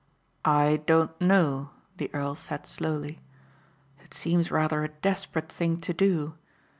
"I don't know," the earl said slowly. "It seems rather a desperate thing to do.